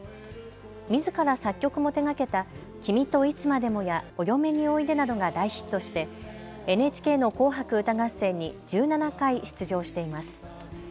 みずから作曲も手がけた君といつまでもや、お嫁においでなどが大ヒットしてＮＨＫの紅白歌合戦に１７回、出場しています。